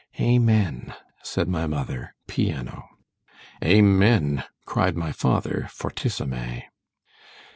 Amen: said my mother, piano. Amen: cried my father, _fortissimè.